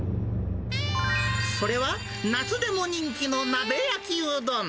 それは、夏でも人気の鍋焼きうどん。